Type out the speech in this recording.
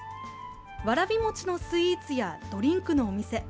わらび餅のスイーツやドリンクのお店。